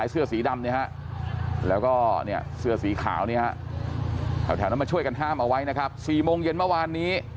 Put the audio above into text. เอาแถวนั้นมาช่วยกันห้ามเอาไว้นะครับ๔โมงเย็นเมื่อวานนี้